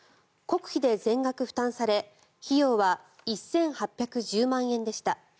国費で全額負担され費用は１８１０万円でした。